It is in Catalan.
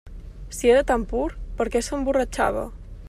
Si era tan pur, per què s'emborratxava?